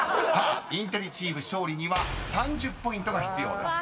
［インテリチーム勝利には３０ポイントが必要です］